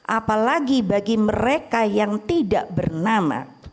apalagi bagi mereka yang tidak bernama